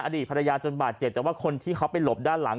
อดีตภรรยาจนบาดเจ็บแต่ว่าคนที่เขาไปหลบด้านหลัง